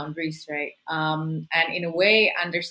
untuk menghormati batasan planetari